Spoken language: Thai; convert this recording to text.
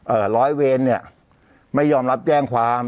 ร้อยเวรเนี่ยไม่ยอมรับแจ้งความ